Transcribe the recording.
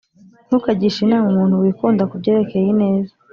ntukagishe inama umuntu wikunda ku byerekeye ineza,